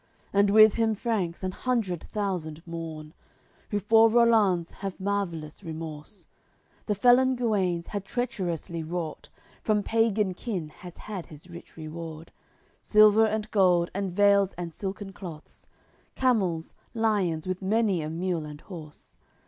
And with him Franks an hundred thousand mourn, Who for Rollanz have marvellous remorse. The felon Guenes had treacherously wrought; From pagan kin has had his rich reward, Silver and gold, and veils and silken cloths, Camels, lions, with many a mule and horse.